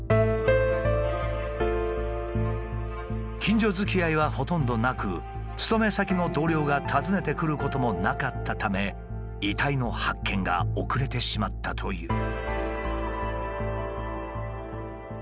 近所づきあいはほとんどなく勤め先の同僚が訪ねてくることもなかったため遺体の発見が遅れてしまったという。